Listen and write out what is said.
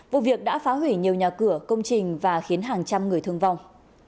vụ việc đã phá hủy nhiều nhà cửa công trình và khiến hàng trăm người thương vong